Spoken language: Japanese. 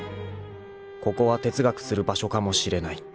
［ここは哲学する場所かもしれない］